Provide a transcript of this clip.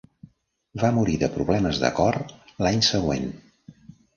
Va morir de problemes de cor l"any següent.